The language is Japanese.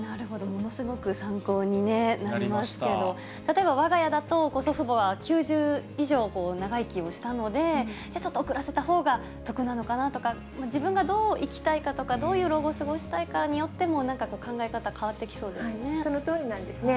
ものすごく参考になりますけど、例えばわが家だと、祖父母が９０以上長生きをしたので、ちょっと遅らせたほうが得なのかなとか、自分がどう生きたいかとか、どういう老後を過ごしたいかによっても、なんかこう、考え方変わそのとおりなんですね。